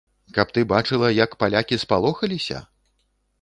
Каб ты бачыла, як палякі спалохаліся?